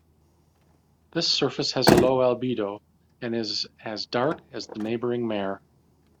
This surface has a low albedo, and is as dark as the neighboring mare.